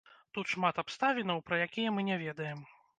Тут шмат абставінаў, пра якія мы не ведаем.